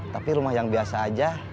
tapi rumah yang biasa aja